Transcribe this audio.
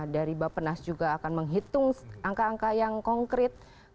dari bapenas juga akan menghitung angka angka yang konkret